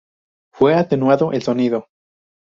fue atenuado el sonido